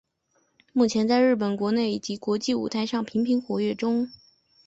目前在日本国内以及国际舞台上频繁活跃中。